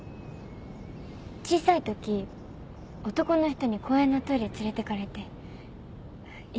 小さいとき男の人に公園のトイレ連れてかれていたずらされたの。